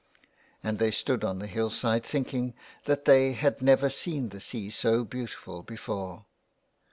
And they stood on the hill side, thinking that they had never seen the sea so beautiful before.